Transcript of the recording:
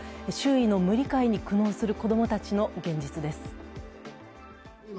周囲の無理解に苦悩する子供たちの現実です。